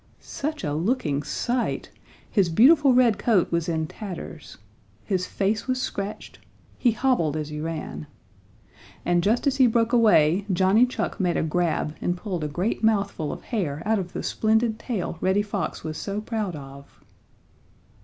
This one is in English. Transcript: Such a looking sight! His beautiful red coat was in tatters. His face was scratched. He hobbled as he ran. And just as he broke away, Johnny Chuck made a grab and pulled a great mouthful of hair out of the splendid tail Reddy Fox was so proud of.